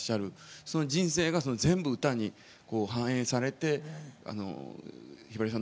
その人生が全部歌に反映されてひばりさん